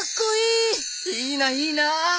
いいないいな。